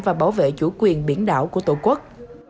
và bảo vệ chủ quyền biển đảo của tổ quốc